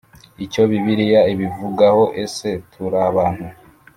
Icyo Bibiliya Ibivugaho Ese turabantu